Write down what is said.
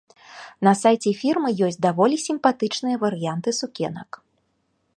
На сайце фірмы ёсць даволі сімпатычныя варыянты сукенак.